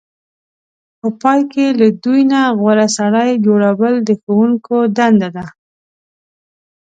په پای کې له دوی نه غوره سړی جوړول د ښوونکو دنده ده.